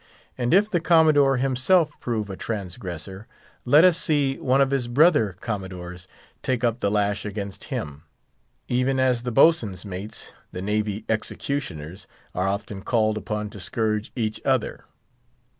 And if the Commodore himself prove a transgressor, let us see one of his brother Commodores take up the lash against him, even as the boatswain's mates, the navy executioners, are often called upon to scourge each other.